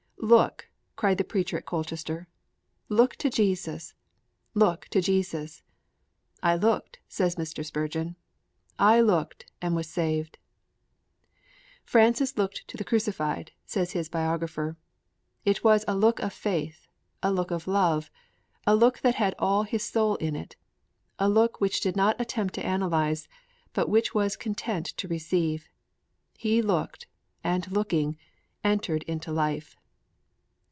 'Look!' cried the preacher at Colchester, 'look to Jesus! Look to Jesus!' 'I looked,' says Mr. Spurgeon; 'I looked and was saved!' 'Francis looked to the Crucified,' says his biographer. 'It was a look of faith; a look of love; a look that had all his soul in it; a look which did not attempt to analyze, but which was content to receive. He looked, and, looking, entered into life.'